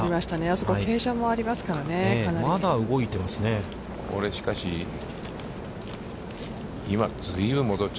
あそこは傾斜もありますからね、かなり。